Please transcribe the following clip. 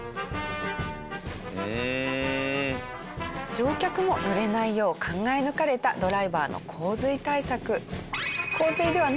乗客も濡れないよう考え抜かれたドライバーの洪水対策。